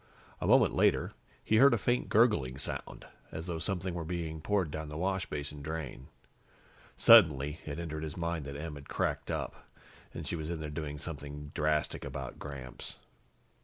A moment later, he heard a faint gurgling sound, as though something were being poured down the washbasin drain. Suddenly, it entered his mind that Em had cracked up, that she was in there doing something drastic about Gramps.